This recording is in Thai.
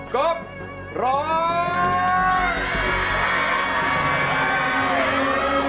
กบร้อง